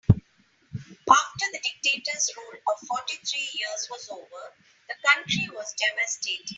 After the dictator's rule of fourty three years was over, the country was devastated.